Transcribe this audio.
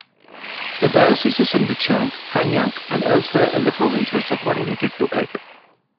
The dioceses in Wuchang, Hanyang, and elsewhere in the province, were subordinated to it.